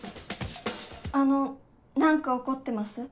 あの何か怒ってます？